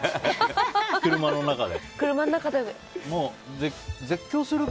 車の中で。